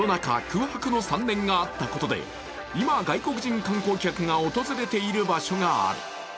空白の３年があったことで今、外国人観光客が訪れている場所がある。